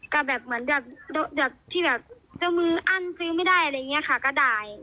ก็แบบเหมือนแบบที่แบบเจ้ามืออั้นซื้อไม่ได้อะไรอย่างนี้ค่ะก็ได้